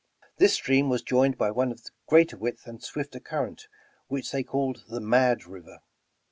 This stream was joined by one of greater width and swifter current, which they called the '' Mad River.